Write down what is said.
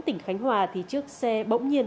tỉnh khánh hòa thì trước xe bỗng nhiên